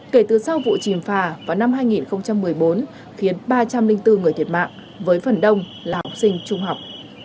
kể từ sau vụ chìm phà vào năm hai nghìn một mươi bốn khiến ba trăm linh bốn người thiệt mạng với phần đông là học sinh trung học